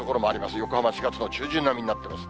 横浜、４月の中旬並みになってますね。